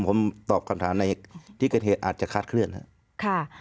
ผมตอบคำถามในที่เกิดเหตุอาจจะคาดเคลื่อนนะครับ